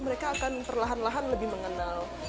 mereka akan perlahan lahan lebih mengenal